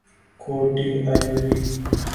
quote d' Ivory